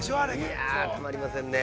◆いや、たまりませんね。